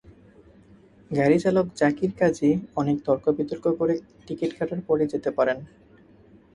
গাড়িচালক জাকির কাজী অনেক তর্কবিতর্ক করে টিকিট কাটার পরই যেতে পারেন।